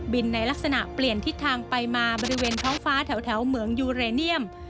ในลักษณะเปลี่ยนทิศทางไปมาบริเวณท้องฟ้าแถวเหมืองยูเรเนียม